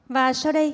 và sau đây